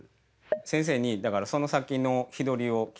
先生にだからその先の日取りを聞いたんです。